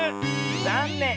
ざんねん。